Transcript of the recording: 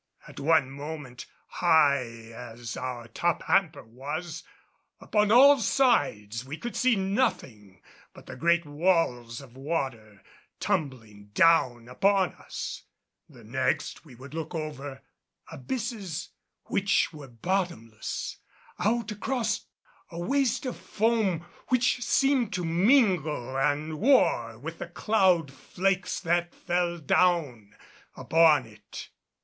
At one moment, high as our top hamper was, upon all sides we could see nothing but great walls of water, tumbling down upon us; the next we would look over abysses which were bottomless, out across a waste of foam which seemed to mingle and war with the cloud flakes that fell down upon it.